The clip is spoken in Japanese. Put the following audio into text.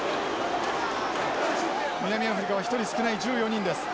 南アフリカは１人少ない１４人です。